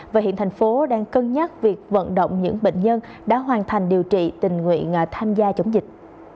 và hiện thành phố đang cân nhắc việc vận động những bệnh nhân đã hoàn thành điều trị tình nguyện tham gia chống dịch